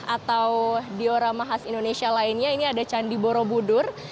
atau diorama khas indonesia lainnya ini ada candi borobudur